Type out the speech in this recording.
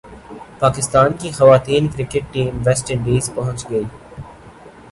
پاکستان کی خواتین cricket team West Indies پہنچ گئی